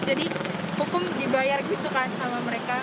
jadi hukum dibayar gitu kan sama mereka